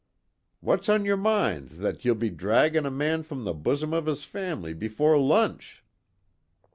Whut's on yer mind thot ye'll be dhraggin' a mon from the bossom of his family befoor lunch?"